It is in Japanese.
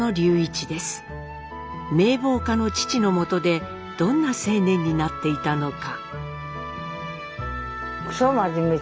名望家の父のもとでどんな青年になっていたのか。